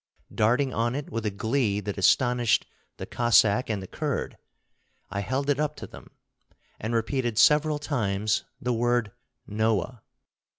Darting on it with a glee that astonished the Cossack and the Kurd, I held it up to them, and repeated several times the word "Noah."